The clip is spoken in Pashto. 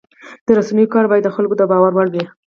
د رسنیو کار باید د خلکو د باور وړ وي.